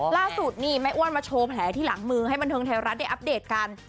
ล่าสุดนี่แม่อ้วนมาโชว์แผลที่หลังมือให้บันเทิงไทยรัฐได้อัปเดตกัน